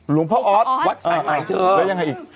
หลวงพ่ออธวัดสายหลวงพ่ออธแล้วยังไงอีก